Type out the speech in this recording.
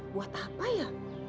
buat apa ya